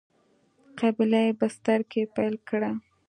قبیله یي بستر کې پیل کړی.